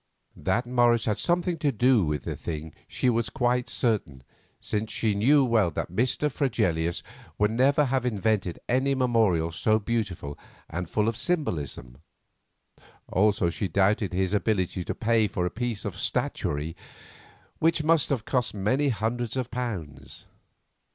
That Morris had something to do with the thing she was quite certain, since she knew well that Mr. Fregelius would never have invented any memorial so beautiful and full of symbolism; also she doubted his ability to pay for a piece of statuary which must have cost many hundreds of pounds.